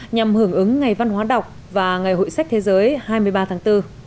nhằm hưởng ứng ngày văn hóa đọc và ngày hội sách thế giới hai mươi ba tháng bốn